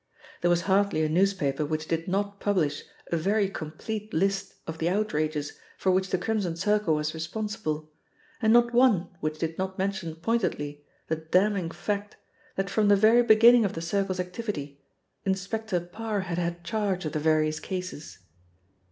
There was hardly a newspaper which did not publish a very complete list of the outrages for which the Crimson Circle was responsible, and not one which did not mention pointedly the damning fact that from the very beginning of the Circle's activity, Inspector Parr had had charge of the various cases.